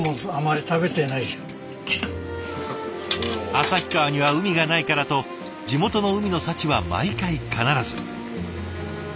旭川には海がないからと地元の海の幸は毎回必ず。